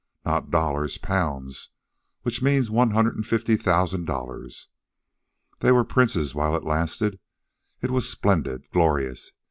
Not dollars pounds, which means one hundred and fifty thousand dollars. They were princes while it lasted. It was splendid, glorious.